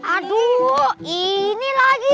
aduh ini lagi